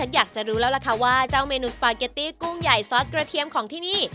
อยากจะรู้แล้วล่ะค่ะว่าเจ้าเมนูสปาเกตตี้กุ้งใหญ่ซอสกระเทียมของที่นี่